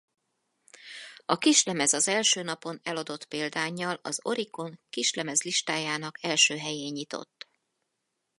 A kislemez az első napon eladott példánnyal az Oricon kislemezlistájának első helyén nyitott.